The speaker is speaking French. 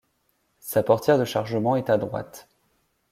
Sa portière de chargement est à droite.